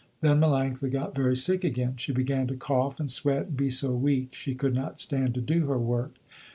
Then Melanctha got very sick again; she began to cough and sweat and be so weak she could not stand to do her work.